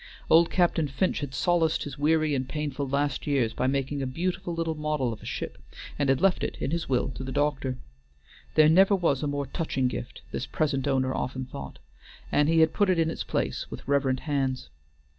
Old Captain Finch had solaced his weary and painful last years by making a beautiful little model of a ship, and had left it in his will to the doctor. There never was a more touching gift, this present owner often thought, and he had put it in its place with reverent hands.